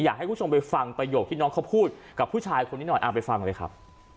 อยากให้คุณผู้ชมไปฟังประโยคที่น้องเขาพูดกับผู้ชายคนนี้หน่อยเอาไปฟังเลยครับ